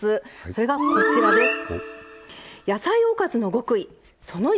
それがこちらです。